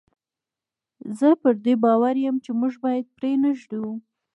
زه پر دې باور یم چې موږ باید پرې نه ږدو.